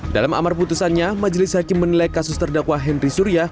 dalam amar putusannya majelis hakim menilai kasus terdakwa henry surya